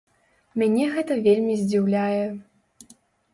Мяне гэта вельмі здзіўляе.